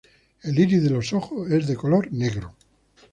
El iris de los ojos es de color negro.